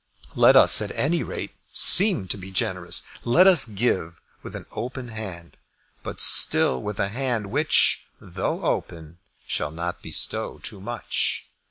Let us at any rate seem to be generous. Let us give with an open hand, but still with a hand which, though open, shall not bestow too much.